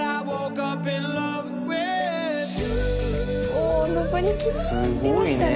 お昇りきりましたね。